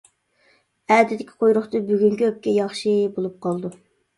«ئەتىدىكى قۇيرۇقتىن بۈگۈنكى ئۆپكە ياخشى» بولۇپ قالىدۇ.